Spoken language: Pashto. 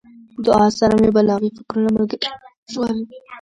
دعا سره مې بلاغي فکرونه ملګري شول.